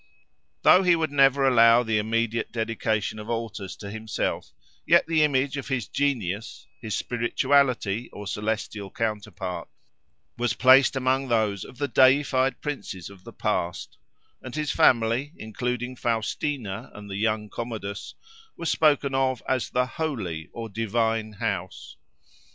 Though he would never allow the immediate dedication of altars to himself, yet the image of his Genius—his spirituality or celestial counterpart—was placed among those of the deified princes of the past; and his family, including Faustina and the young Commodus, was spoken of as the "holy" or "divine" house.